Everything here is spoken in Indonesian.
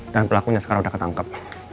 dan pelakunya sekarang udah ketangkep